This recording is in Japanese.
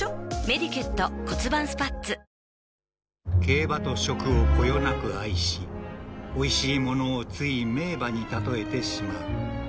［競馬と食をこよなく愛しおいしいものをつい名馬に例えてしまう］